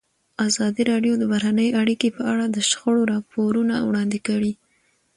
ازادي راډیو د بهرنۍ اړیکې په اړه د شخړو راپورونه وړاندې کړي.